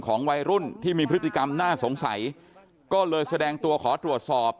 วัยรุ่นที่มีพฤติกรรมน่าสงสัยก็เลยแสดงตัวขอตรวจสอบ